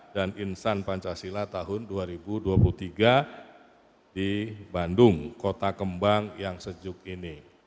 dan insan pancasila tahun dua ribu dua puluh tiga di bandung kota kembang yang sejuk ini